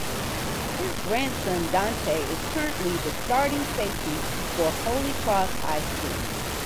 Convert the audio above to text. His grandson Donte is currently the starting safety for Holy Cross High School.